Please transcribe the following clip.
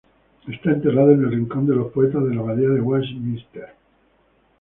Está enterrado en el Rincón de los poetas de la Abadía de Westminster.